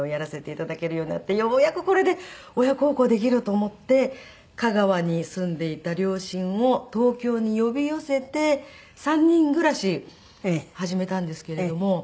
ようやくこれで親孝行できると思って香川に住んでいた両親を東京に呼び寄せて３人暮らしを始めたんですけれども。